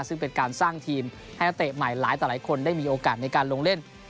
ซึ่งเป็นการสร้างทีมให้นักเตะใหม่หลายต่อหลายคนได้มีโอกาสในการลงเล่น